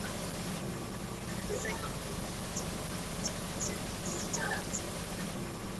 Mwekezaji mgeni anatakiwa kukata kuanzia miezi sita na miezi kumi na mbili